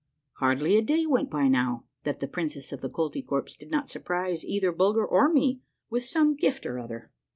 Hardly a day went by now that the princess of the Koltykwerps did not surprise either Bulger or me with some gift or other.